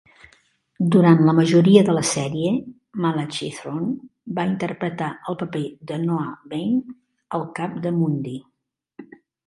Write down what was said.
Durant la majoria de la sèrie, Malachi Throne va interpretar el paper de Noah Bain, el cap de Mundy.